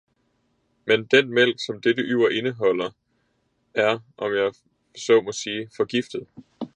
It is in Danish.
Men den mælk, som dette yver indeholder, er, om jeg så må sige, forgiftet.